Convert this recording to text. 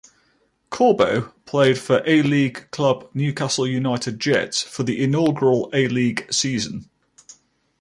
Corbo played for A-League club Newcastle United Jets for the inaugural A-League season.